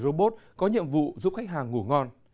robot có nhiệm vụ giúp khách hàng ngủ ngon